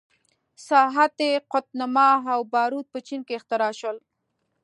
ساعت، قطب نما او باروت په چین کې اختراع شول.